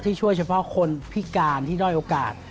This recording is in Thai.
ช่วยเฉพาะคนพิการที่ด้อยโอกาส